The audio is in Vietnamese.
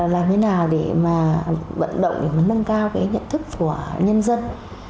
làm thế nào để vận động để nâng cao nhận thức của nhân dân